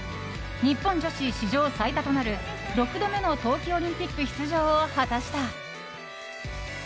日本女子史上最多となる６度目の冬季オリンピック出場を果たした。